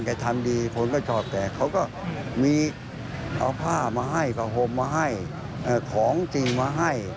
แกเป็นคนดีเป็นคนดีมากเลย